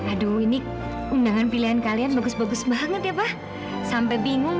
aduh ini undangan pilihan kalian bagus bagus banget ya pak sampai bingung